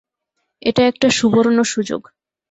এটা একটা সুবর্ণ সুযোগ।